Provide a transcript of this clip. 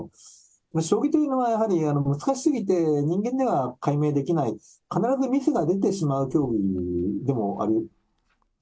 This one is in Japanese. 将棋というのはやはり、難しすぎて、人間では解明できない、必ずミスが出てしまう競技でもあります。